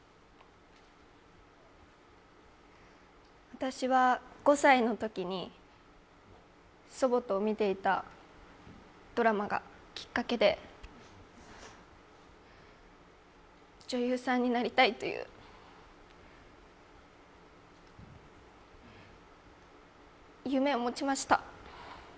私は５歳のときに祖母と見ていたドラマがきっかけで女優さんになりたいという夢を持ちました。